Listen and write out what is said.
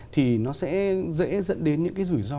thì nó sẽ dễ dẫn đến những rủi ro